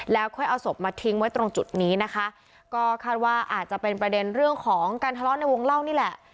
แล้วค่อยเอาศพมาทิ้งไว้ตรงจุดนี้นะคะก็คาดว่าอาจจะเป็นประเด็นเรื่องของการทะเลาะในวงเล่านี่แหละ